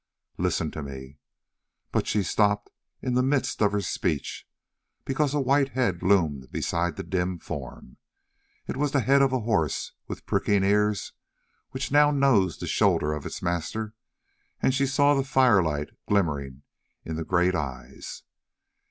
"Listen to me " But she stopped in the midst of her speech, because a white head loomed beside the dim form. It was the head of a horse, with pricking ears, which now nosed the shoulder of its master, and she saw the firelight glimmering in the great eyes.